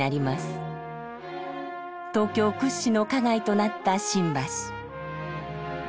東京屈指の花街となった新橋。